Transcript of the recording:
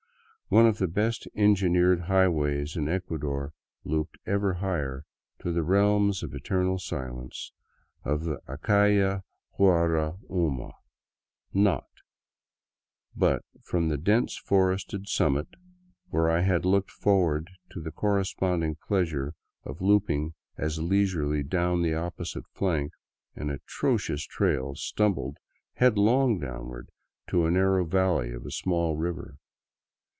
One of the best engineered highways in Ecua dor looped ever higher to the " realms of eternal silence " of the Acayana Guagra uma " Knot," but from the dense forested summit, where I had looked forward to the corresponding pleasure of looping as leisurely down the opposite flank, an atrocious trail stumbled head long downward to the narrow valley of a small river.